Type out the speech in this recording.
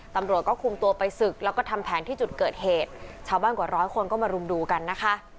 ตำรวจก็คุมตัวไปศึกแล้วก็ทำแผนที่จุดเกิดเหตุชาวบ้านกว่าร้อยคนก็มารุมดูกันนะคะ